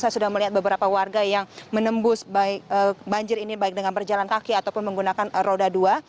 saya sudah melihat beberapa warga yang menembus baik banjir ini baik dengan berjalan kaki ataupun menggunakan roda dua